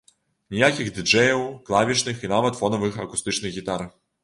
Ніякіх ды-джэяў, клавішных і нават фонавых акустычных гітар.